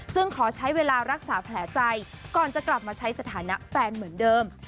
ขอใช้เวลารักษาแผลใจก่อนจะกลับมาใช้สถานะแฟนเหมือนเดิม